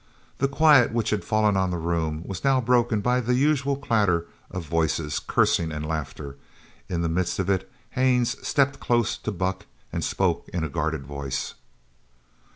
The quiet which had fallen on the room was now broken by the usual clatter of voices, cursing, and laughter. In the midst of it Haines stepped close to Buck and spoke in a guarded voice.